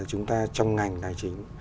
chúng ta trong ngành tài chính